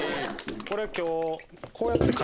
これ今日。